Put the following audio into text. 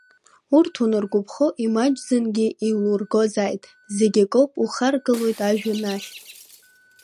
Урҭ уаныргәаԥхо, имаҷӡангьы еилургозааит, зегь акоуп, ухаргалоит ажәҩан ахь.